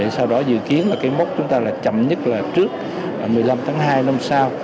sau đó dự kiến mốc chúng ta chậm nhất là trước một mươi năm tháng hai năm sau